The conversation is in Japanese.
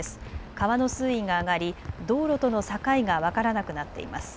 川の水位が上がり道路との境が分からなくなっています。